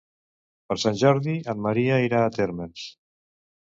Per Sant Jordi en Maria irà a Térmens.